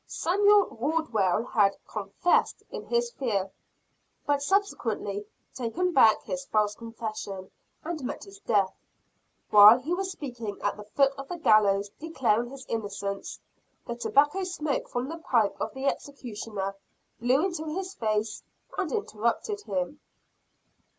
Samuel Wardwell had "confessed" in his fear, but subsequently taken back his false confession, and met his death. While he was speaking at the foot of the gallows declaring his innocence, the tobacco smoke from the pipe of the executioner, blew into his face and interrupted him.